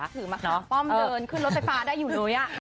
หรือมาขาดป้อมเดินขึ้นรถไฟฟ้าได้อยู่ด้วย